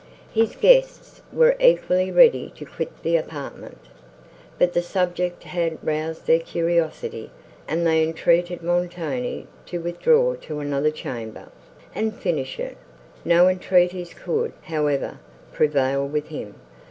His guests were equally ready to quit the apartment; but the subject had roused their curiosity, and they entreated Montoni to withdraw to another chamber, and finish it; no entreaties could, however, prevail with him.